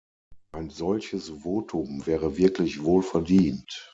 Ein solches Votum wäre wirklich wohl verdient.